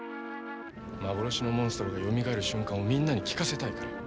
幻のモンストロがよみがえる瞬間をみんなに聴かせたいから。